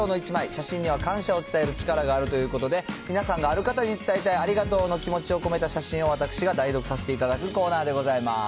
写真には感謝を伝える力があるということで、皆さんがある方に伝えたいありがとうの気持ちを込めた写真を、私が代読させていただくコーナーでございます。